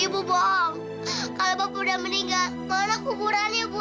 ibu bohong kalau bapak sudah meninggal mana kuburan ibu